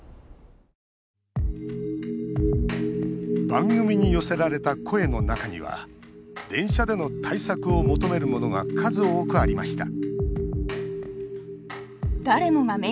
番組に寄せられた声の中には電車での対策を求めるものが数多くありました